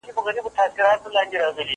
کېدای سي چپنه ګنده وي؟